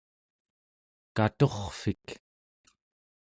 katurrvik